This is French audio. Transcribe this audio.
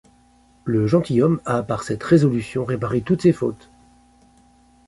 Le gentilhomme a par cette résolution réparé toutes ses fautes.